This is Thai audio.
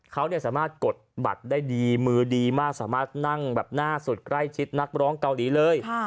เขาสามารถกดบัตรได้ดีมือดีมากสามารถนั่งแบบหน้าสุดใกล้ชิดนักร้องเกาหลีเลย